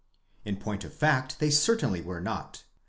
In point of fact they certainly were not.